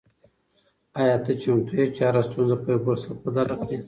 آیا ته چمتو یې چې هره ستونزه په یو فرصت بدله کړې؟